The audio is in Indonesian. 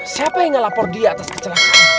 siapa yang melapor dia atas kecelakaan